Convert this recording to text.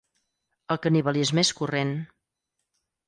El canibalisme és corrent.